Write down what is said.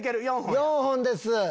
４本です。